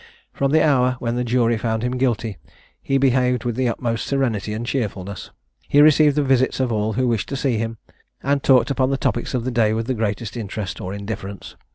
From the hour when the jury found him guilty, he behaved with the utmost serenity and cheerfulness. He received the visits of all who wished to see him, and talked upon the topics of the day with the greatest interest or indifference.